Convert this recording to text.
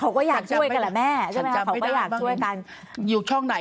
เขาก็อยากช่วยกันแหละแม่ใช่ไหมเขาก็อยากช่วยกันอยู่ช่องไหน